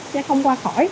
sẽ không qua khỏi